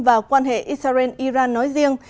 và quan hệ israel iran nói riêng